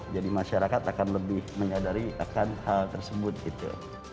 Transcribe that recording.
jadi masyarakat akan lebih menyadari akan hal tersebut gitu